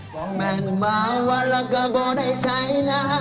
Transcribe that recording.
บอกแม่คุณมาว่าเราก็พอได้ใช้นะครับ